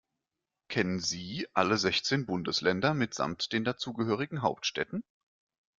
Kennen Sie alle sechzehn Bundesländer mitsamt den dazugehörigen Hauptstädten?